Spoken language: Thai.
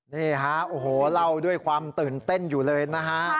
นี่ฮะโอ้โหเล่าด้วยความตื่นเต้นอยู่เลยนะฮะ